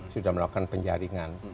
sudah melakukan penjaringan